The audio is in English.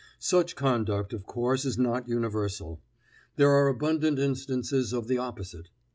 Such conduct, of course, is not universal. There are abundant instances of the opposite.